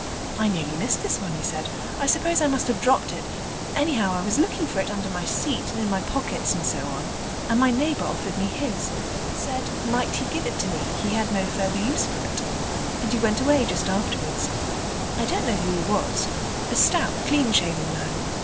"I nearly missed this one," he said. "I suppose I must have dropped it: anyhow, I was looking for it under my seat and in my pockets and so on, and my neighbour offered me his; said 'might he give it me, he had no further use for it,' and he went away just afterwards. I don't know who he was a stout, clean shaven man.